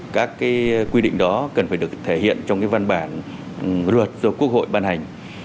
các quy định đó cần phải được thể hiện trong cái văn bản luật do quốc hội ban hành